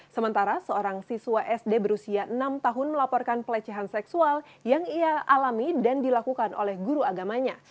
sementara seorang siswa sd berusia enam tahun melaporkan pelecehan seksual yang ia alami dan dilakukan oleh guru agamanya